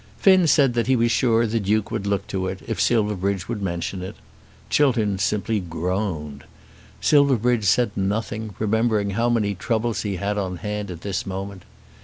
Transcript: Finn said that he was sure the Duke would look to it, if Silverbridge would mention it. Chiltern simply groaned. Silverbridge said nothing, remembering how many troubles he had on hand at this moment.